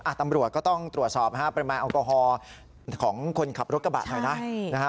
อ่ะตำรวจก็ต้องตรวจสอบนะครับประมาณอัลกอฮอล์ของคนขับรถกระบะหน่อยนะ